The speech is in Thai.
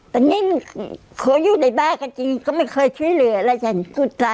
แลกกับเขาอยู่ในบ้านจริงก็ไม่เคยช่วยเหลืออะไรอย่างกุศล่ะ